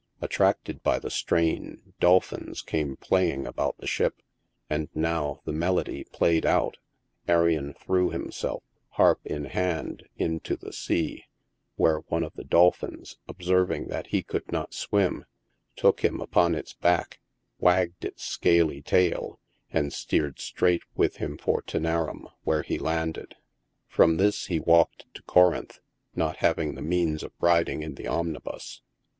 Attracted by the strain, dolphins came playing about the ship ; and now, the melody played out, Arion threw himself, harp in hand, into the sea, where one of the dolphins, observing that he could not swim, took him upon its back, wagged its scaly tail, and steered straight with him for Tcenarum, where he landed, From this he walked to Corinth, not having the means of riding in the omnibus.